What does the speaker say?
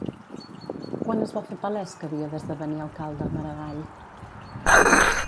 Quan es va fer palès que havia d'esdevenir alcalde, Maragall?